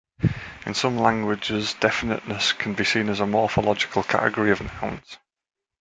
In some languages definiteness can be seen a morphological category of nouns.